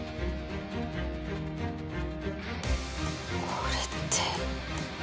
これって！